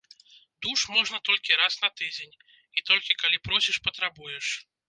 Душ можна толькі раз на тыдзень і толькі калі просіш-патрабуеш.